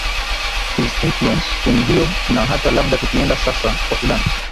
his influence kwenye hiyo na hata labda tukienda sasa kwa sudan